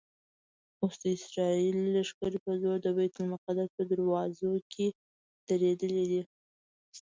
اوس د اسرائیلو لښکرې په زوره د بیت المقدس په دروازو کې درېدلي دي.